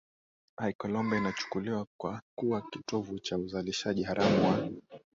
iColombia inachukuliwa kuwa kitovu cha uzalishaji haramu wa